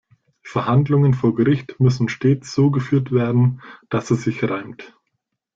Verhandlungen vor Gericht müssen stets so geführt werden, dass es sich reimt.